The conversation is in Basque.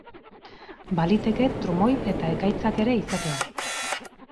Baliteke trumoi eta ekaitzak ere izatea.